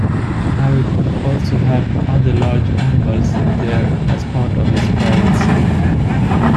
Harry also had other large animals there as part of his private zoo.